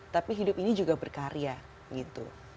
tapi hidup ini juga berkarya gitu